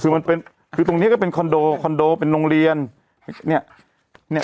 คือมันเป็นคือตรงนี้ก็เป็นคอนโดคอนโดเป็นโรงเรียนเนี่ย